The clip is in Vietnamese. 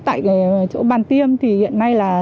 tại chỗ bàn tiêm thì hiện nay là